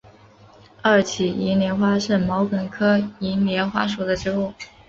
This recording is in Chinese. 二歧银莲花是毛茛科银莲花属的植物。